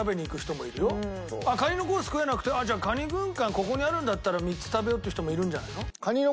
ここにあるんだったら３つ食べようっていう人もいるんじゃないの？